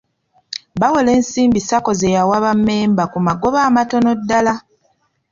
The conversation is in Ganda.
Bawola ensimbi Sacco z'ewa bammemba ku magoba amatono ddala.